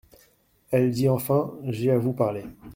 Elle dit enfin : J'ai à vous parler.